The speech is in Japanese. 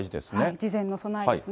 事前の備えですね。